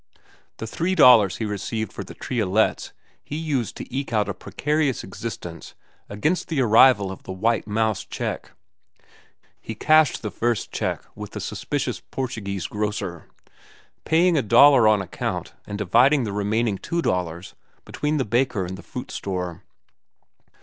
The three dollars he received for the triolets he used to eke out a precarious existence against the arrival of the White Mouse check. He cashed the first check with the suspicious Portuguese grocer, paying a dollar on account and dividing the remaining two dollars between the baker and the fruit store.